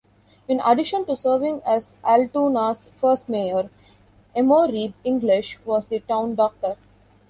In addition to serving as Altoona's first mayor, Emory English was the town doctor.